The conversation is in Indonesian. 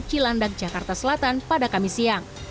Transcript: cilandak jakarta selatan pada kamis siang